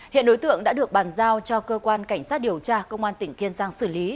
hiện đối tượng đã được bàn giao cho cơ quan cảnh sát điều tra công an tỉnh kiên giang xử lý